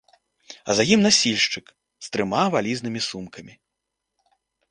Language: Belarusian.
А за ім насільшчык з трыма вялізнымі сумкамі.